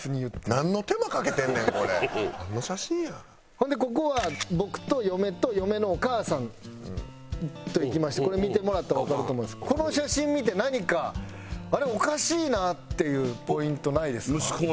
ほんでここは僕と嫁と嫁のお母さんと行きましてこれ見てもらったらわかると思うんですけどこの写真見て何かあれおかしいな？っていうポイントないですか？